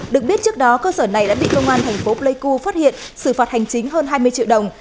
được biết trước đó cơ sở này đã bị công an thành phố pleiku phát hiện xử phạt hành chính hơn hai mươi triệu đồng